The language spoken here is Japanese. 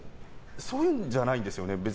そういうのじゃないんですよね。